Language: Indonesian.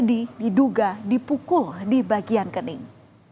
dan disinilah yaredi diduga dipukul di bagian kening